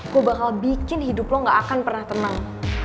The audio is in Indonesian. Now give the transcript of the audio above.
ku bakal bikin hidup lo gak akan pernah tenang